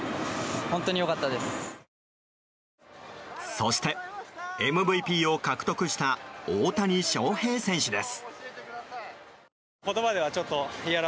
そしてＭＶＰを獲得した大谷翔平選手です。